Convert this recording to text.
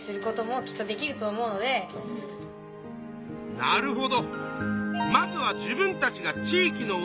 なるほど。